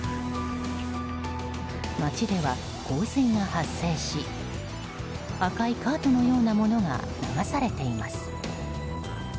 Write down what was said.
街では洪水が発生し赤いカートのようなものが流されています。